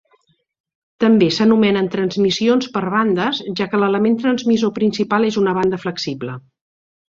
També s'anomenen transmissions per bandes, ja que l'element transmissor principal és una banda flexible.